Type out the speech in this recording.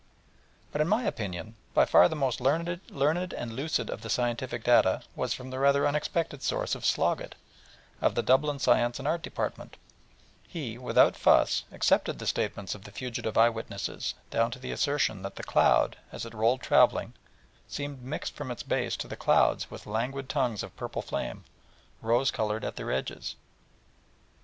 But, in my opinion, by far the most learned and lucid of the scientific dicta was from the rather unexpected source of Sloggett, of the Dublin Science and Art Department: he, without fuss, accepted the statements of the fugitive eye witnesses, down to the assertion that the cloud, as it rolled travelling, seemed mixed from its base to the clouds with languid tongues of purple flame, rose coloured at their edges.